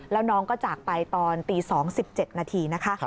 แล้วน้องก็จากไปตอนตี๒๗นาทีนะคะ